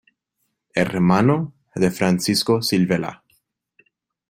Hermano de Francisco Silvela.